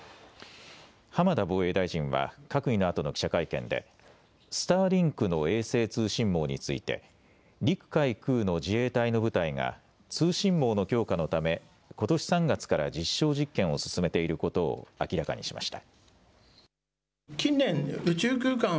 浜田防衛大臣は閣議のあとの記者会見でスターリンクの衛星通信網について陸・海・空の自衛隊の部隊が通信網の強化のためことし３月から実証実験を進めていることを明らかにしました。